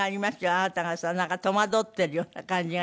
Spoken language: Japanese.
あなたがなんか戸惑っているような感じが。